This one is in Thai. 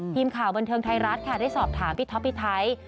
ทีมข่าวบันเทิงไทยรัฐค่ะได้สอบถามพี่ท็อปพี่ไทย